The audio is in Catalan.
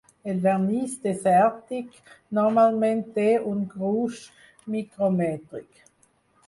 El vernís desèrtic normalment té un gruix micromètric.